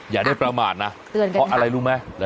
อย่าได้ประมาทนะเพราะอะไรรู้ไหม